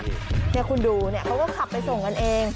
นี่คุณดูเนี่ยเขาก็ขับไปส่งกันเอง